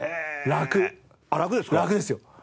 楽ですよ。